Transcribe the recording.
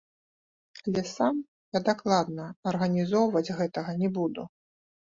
Але сам я дакладна арганізоўваць гэтага не буду.